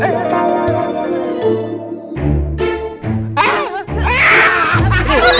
eh bawa bawa dulu